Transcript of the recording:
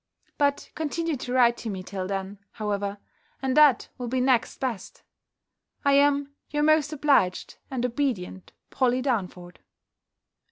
But continue to write to me till then, however, and that will be next best. I am your most obliged and obedient POLLY DARNFORD.